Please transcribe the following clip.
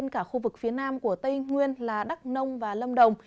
cả khu vực phía nam của tây nguyên là đắk nông và lâm đồng